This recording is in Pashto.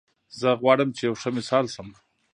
زه غواړم چې یو ښه مثال شم